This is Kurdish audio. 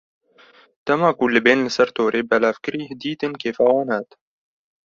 Dema ku libên li ser torê belavkirî, dîtin kêfa wan hat.